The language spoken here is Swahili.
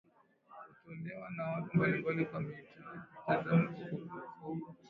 hutolewa na watu mbalimbali kwa mitazamo tofautitofauti